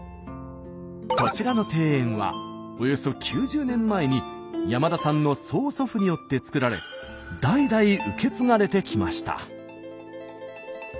こちらの庭園はおよそ９０年前に山田さんの曽祖父によってつくられ代々受け継がれてきました。